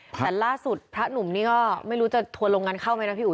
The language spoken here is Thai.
แต่ล่าสุดพระหนุ่มนี่ก็ไม่รู้จะถวลลงงานเข้าไหมนะ